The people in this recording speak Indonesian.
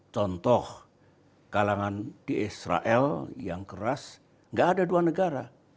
contoh kalangan di israel yang keras nggak ada dua negara